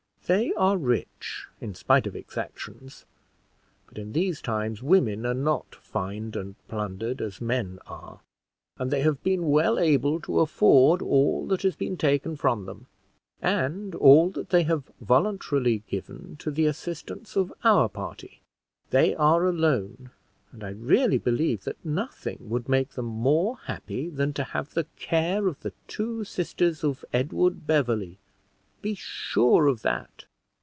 They are rich, in spite of exactions; but in these times, women are not fined and plundered as men are; and they have been well able to afford all that has been taken from them, and all that they have voluntarily given to the assistance of our party. They are alone, and I really believe that nothing would make them more happy than to have the care of the two sisters of Edward Beverley be sure of that.